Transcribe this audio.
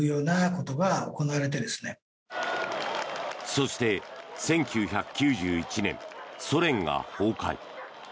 そして、１９９１年ソ連が崩壊。